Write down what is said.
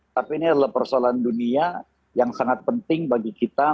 tapi ini adalah persoalan dunia yang sangat penting bagi kita